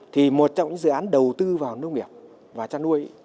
thì một trong những dự án đầu tư vào nông nghiệp và chăn nuôi